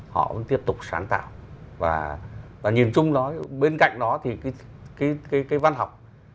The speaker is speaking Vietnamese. họ vẫn tiếp tục sáng tạo và nhìn chung nó bên cạnh đó thì cái văn học